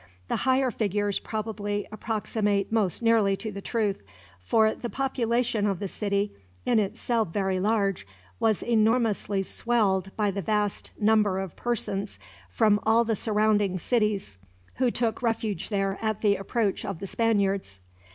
The higher figures probably approximate most nearly to the truth, for the population of the city, in itself very large, was enormously swelled by the vast number of persons from all the surrounding cities, who took refuge there at the approach of the Spaniards.